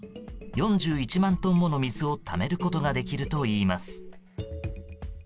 ４１万トンもの水をためることができるといいます。